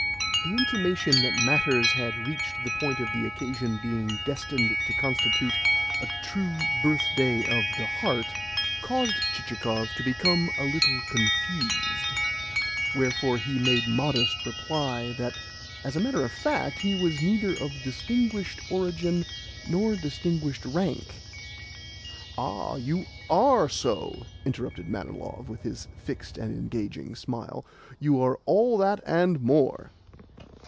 The intimation that matters had reached the point of the occasion being destined to constitute a "true birthday of the heart" caused Chichikov to become a little confused; wherefore he made modest reply that, as a matter of fact, he was neither of distinguished origin nor distinguished rank. "Ah, you ARE so," interrupted Manilov with his fixed and engaging smile. "You are all that, and more."